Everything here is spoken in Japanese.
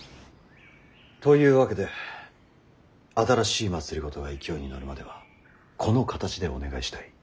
というわけで新しい政が勢いに乗るまではこの形でお願いしたい。